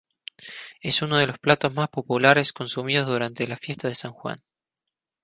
Es uno de los platos más populares consumidos durante la Fiesta de San Juan.